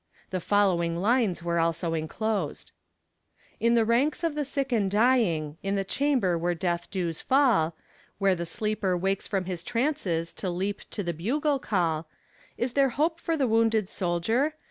The following lines were also inclosed: In the ranks of the sick and dying, in the chamber where death dews fall, Where the sleeper wakes from his trances to leap to the bugle call, Is there hope for the wounded soldier?